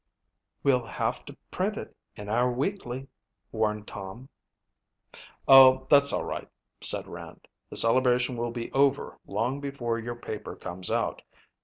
"We'll have to print it in our weekly," warned Tom. "Oh, that's all right," said Rand. "The celebration will be over long before your paper comes out.